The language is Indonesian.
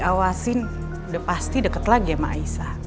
awasin udah pasti deket lagi ya sama aisyah